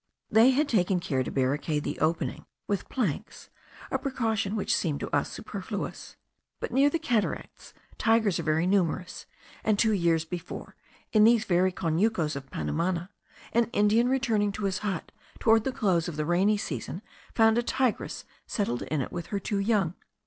They had taken care to barricade the opening with planks, a precaution which seemed to us superfluous; but near the Cataracts tigers are very numerous, and two years before, in these very conucos of Panumana, an Indian returning to his hut, towards the close of the rainy season, found a tigress settled in it with her two young.